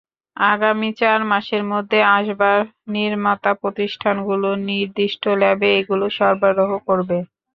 আগামী চার মাসের মধ্যে আসবাব নির্মাতা প্রতিষ্ঠানগুলো নির্দিষ্ট ল্যাবে এগুলো সরবরাহ করবে।